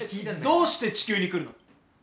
どうして地球に来るの？